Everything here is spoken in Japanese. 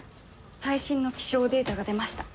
最新の気象データが出ました。